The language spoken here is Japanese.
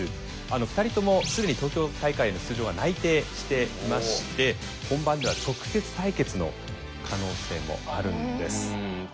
２人とも既に東京大会への出場は内定していまして本番では直接対決の可能性もあるんです。